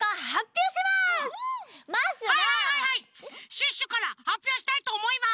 シュッシュからはっぴょうしたいとおもいます！